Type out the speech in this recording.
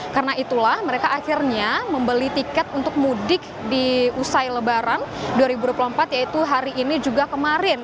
karena itulah mereka akhirnya membeli tiket untuk mudik di usai lebaran dua ribu dua puluh empat yaitu hari ini juga kemarin